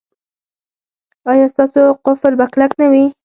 ایا ستاسو قفل به کلک نه وي؟